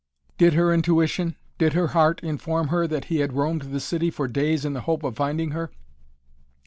Did her intuition, did her heart inform her that he had roamed the city for days in the hope of finding her?